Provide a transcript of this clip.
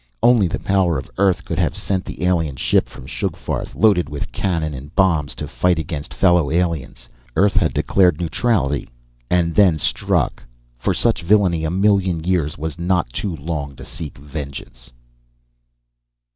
Only the power of Earth could have sent the alien ship from Sugfarth, loaded with cannon and bombs, to fight against fellow aliens. Earth had declared neutrality, and then struck! For such a villainy, a million years was not too long to seek vengeance!